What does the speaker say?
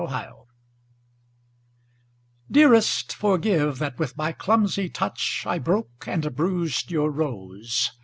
Stupidity Dearest, forgive that with my clumsy touch I broke and bruised your rose.